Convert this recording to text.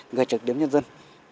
người trực điếm nhân dân